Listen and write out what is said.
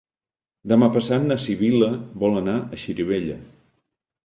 Demà passat na Sibil·la vol anar a Xirivella.